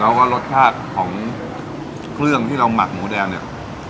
แล้วก็รสชาติของเครื่องที่เราหมักหมูแดงเนี่ย